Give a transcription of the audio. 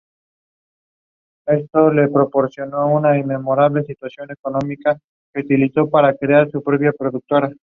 La actuación de Viola Davis fue considerada excelente por los críticos.